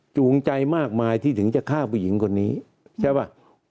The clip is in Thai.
จูงใจมากมายที่ถึงจะฆ่าผู้หญิงคนนี้ใช่ป่ะ